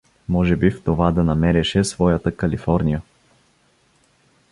Може би в това да намереше своята Калифорния.